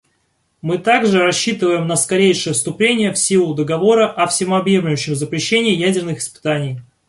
Мы также рассчитываем на скорейшее вступление в силу Договора о всеобъемлющем запрещении ядерных испытаний.